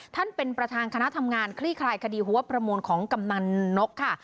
เป็นประธานคณะทำงานคลี่คลายคดีหัวประมูลของกำนันนกค่ะ